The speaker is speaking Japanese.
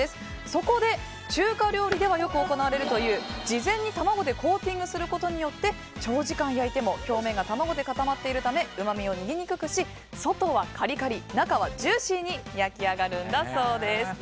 そこで、中華料理ではよく行われるという事前に、卵でコーティングすることによって長時間焼いても表面が卵で固まっているためうまみを逃げにくくし外はカリカリ中はジューシーに焼き上がるんだそうです。